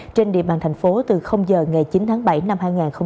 trên địa bàn thành phố từ giờ ngày chín tháng bảy năm hai nghìn hai mươi